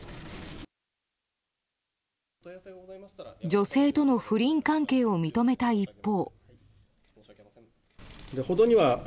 女性との不倫関係を認めた一方。